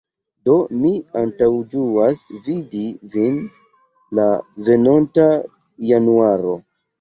Do, mi antaŭĝuas vidi vin la venonta januaro.